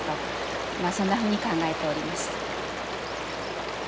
まあそんなふうに考えております。